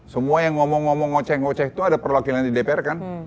semua yang ngomong ngomong ngoceh ngoceh itu ada perwakilan di dpr kan